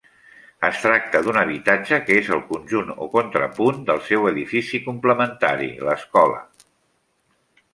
Es tracta d'un habitatge que és el conjunt o contrapunt del seu edifici complementari, l'Escola.